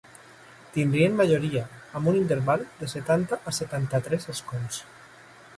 Tindrien majoria, amb un interval de setanta a setanta-tres escons.